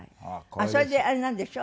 それであれなんでしょ？